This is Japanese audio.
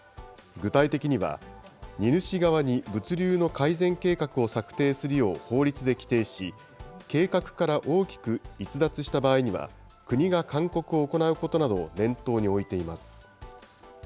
具体的には、荷主側に物流の改善計画を策定するよう法律で規定し、計画から大きく逸脱した場合には、国が勧告を行うことなどを念頭に置いています。